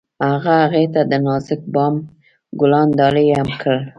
هغه هغې ته د نازک بام ګلان ډالۍ هم کړل.